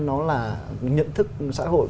nó là nhận thức xã hội